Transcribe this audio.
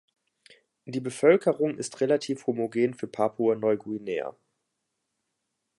Die Bevölkerung ist relativ homogen für Papua-Neuguinea.